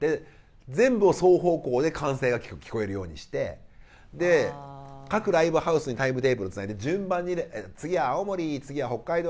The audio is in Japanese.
全部を双方向で歓声が聞こえるようにして各ライブハウスにタイムテーブルつないで順番にね次青森次は北海道